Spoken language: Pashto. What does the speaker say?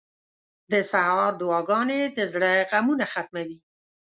• د سهار دعاګانې د زړه غمونه ختموي.